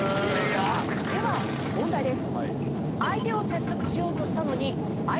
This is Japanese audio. では問題です。